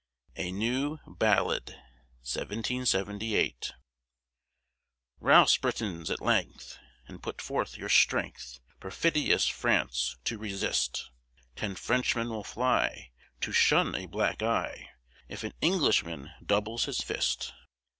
A NEW BALLAD Rouse, Britons! at length, And put forth your strength Perfidious France to resist; Ten Frenchmen will fly, To shun a black eye, If an Englishman doubles his fist.